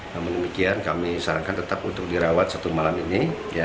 namun demikian kami sarankan tetap untuk dirawat satu malam ini